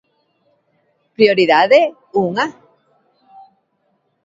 Prioridade unha.